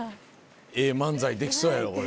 ええ漫才できそうやろこれ。